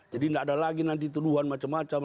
jadi tidak ada lagi nanti tuduhan macam macam